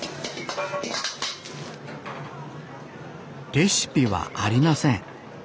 レシピはありません。